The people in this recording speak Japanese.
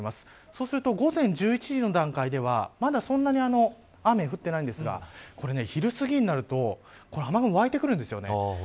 そうすると午前１１時の段階ではまだ、そんなに雨が降っていないんですが昼すぎになると雨雲がわいてくるんです。